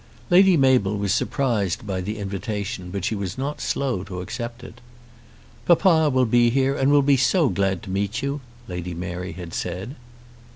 Lady Mabel was surprised by the invitation, but she was not slow to accept it. "Papa will be here and will be so glad to meet you," Lady Mary had said.